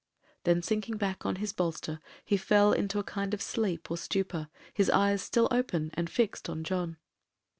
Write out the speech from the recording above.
Then, sinking back on his bolster, he fell into a kind of sleep or stupor, his eyes still open, and fixed on John.